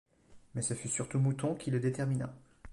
Mais ce fut surtout Mouton qui le détermina.